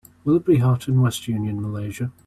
Will it be hot in West Union, Malaysia